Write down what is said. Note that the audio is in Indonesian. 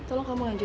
aduh mantelan dong